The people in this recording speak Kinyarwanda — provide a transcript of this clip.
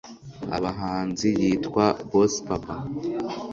abahanzi yitwa bosspapa